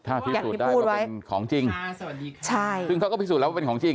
ถ้าพิสูจน์ได้ว่าเป็นของจริงใช่ซึ่งเขาก็พิสูจนแล้วว่าเป็นของจริง